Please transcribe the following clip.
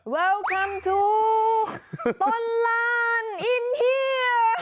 เวลคัมทูต้นลานอินเฮียร์